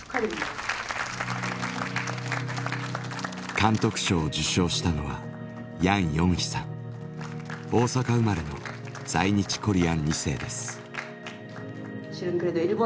監督賞を受賞したのはヤンヨンヒさん大阪生まれの在日コリアン２世です。